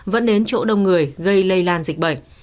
vẫn đến chỗ đông người gây lây lan dịch bệnh